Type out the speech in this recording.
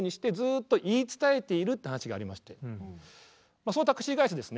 まあそのタクシー会社ですね